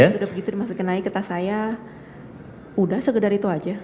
sudah begitu dimasukin lagi ke tas saya sudah segedar itu aja